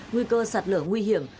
nguy cơ sạt lửa nguy hiểm